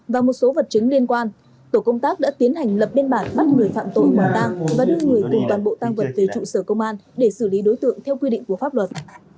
và một số vật chứng liên quan tổ công tác đã tiến hành lập biên bản bắt người phạm tội quả tang và đưa người cùng toàn bộ tăng vật về trụ sở công an để xử lý đối tượng theo quy định của pháp luật